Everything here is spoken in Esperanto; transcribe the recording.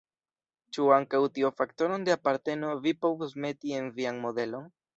Ĉu ankaŭ tiun faktoron de aparteno vi povus meti en vian modelon?